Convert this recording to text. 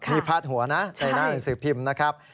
นี่พาดหัวนะในหน้าหนังสือพิมพ์นะครับ